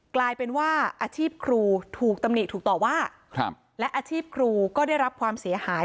กลายเป็นว่าอาชีพครูถูกตำหนิถูกต่อว่าและอาชีพครูก็ได้รับความเสียหาย